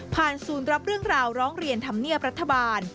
ผ่านสูญรับเรื่องราวร้องเรียนธรรเมียปรัฐบาล